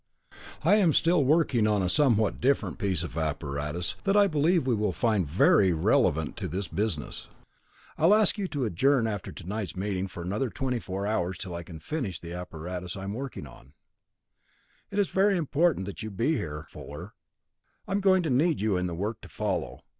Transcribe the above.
"I am still working on a somewhat different piece of apparatus that I believe we will find very relevant to this business. I'll ask you to adjourn after tonight's meeting for another twenty four hours till I can finish the apparatus I am working on. It is very important that you be here, Fuller. I am going to need you in the work to follow.